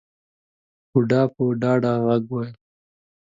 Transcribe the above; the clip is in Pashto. بوډا په ډاډه غږ وويل.